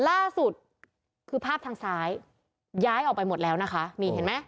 ล่าสุดคือภาพทางซ้ายย้ายออกไปหมดแล้วนะคะนี่เห็นไหม